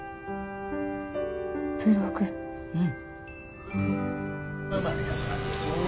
うん。